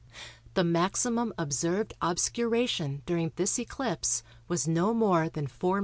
The maximum observed obscuration during this eclipse was no more than 4^m.